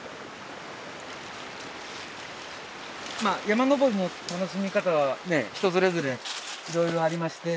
山登りの楽しみ方は人それぞれいろいろありまして。